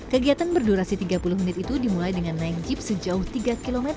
kegiatan berdurasi tiga puluh menit itu dimulai dengan naik jeep sejauh tiga km